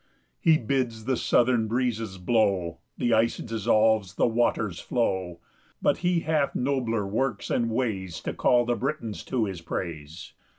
5 He bids the southern breezes blow, The ice dissolves, the waters flow; But he hath nobler works and ways To call the Britons to his praise.